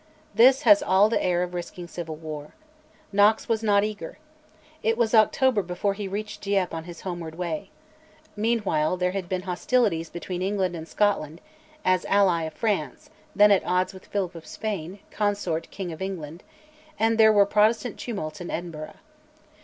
This has all the air of risking civil war. Knox was not eager. It was October before he reached Dieppe on his homeward way. Meanwhile there had been hostilities between England and Scotland (as ally of France, then at odds with Philip of Spain, consort King of England), and there were Protestant tumults in Edinburgh.